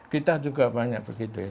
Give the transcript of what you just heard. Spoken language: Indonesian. kita juga banyak begitu ya